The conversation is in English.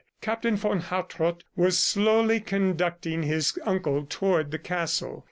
Captain von Hartrott was slowly conducting his uncle toward the castle.